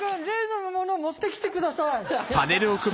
例のもの持って来てください。